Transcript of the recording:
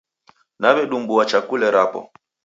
Naw'edumbua chakule rapo.